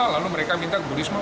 lalu mereka minta ke burisma